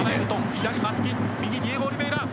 左松木右ディエゴ・オリヴェイラ。